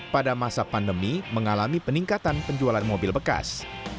pada masa pandemi mengalami peningkatan penjualan mobil bekas